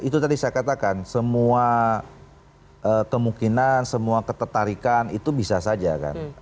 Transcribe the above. itu tadi saya katakan semua kemungkinan semua ketertarikan itu bisa saja kan